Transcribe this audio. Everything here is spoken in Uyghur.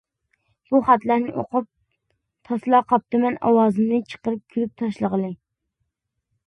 بۇ خەتلەرنى ئوقۇپ تاسلا قاپتىمەن ئاۋازىمنى چىقىرىپ كۈلۈپ تاشلىغىلى.